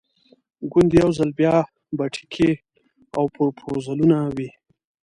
ګوندې یو ځل بیا به ټیکې او پروپوزلونه وي.